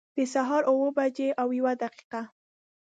د سهار اوه بجي او یوه دقيقه